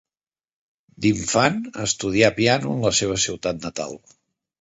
D'infant, estudià piano en la seva ciutat natal.